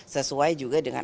sesuai juga dengan